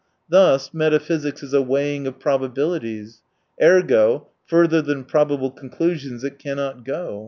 Thus metaphysics is a weighing of probabilities. Ergo — further than probable conclusions it cannot go.